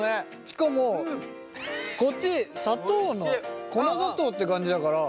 しかもこっち砂糖の粉砂糖って感じだから。